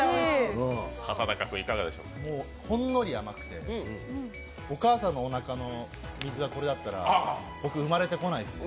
ほんのり甘くてお母さんのおなかの水がこれだったら僕、生まれてこないですね。